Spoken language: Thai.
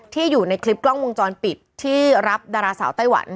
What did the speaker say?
อยู่ในคลิปกล้องวงจรปิดที่รับดาราสาวไต้หวัน